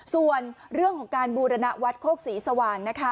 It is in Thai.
ส่วนเรื่องของการบูรณวัดโคกสีสว่างนะคะ